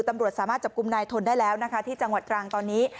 ตำรวจสามารถจับกลุ่มนายทนได้แล้วนะคะที่จังหวัดตรังตอนนี้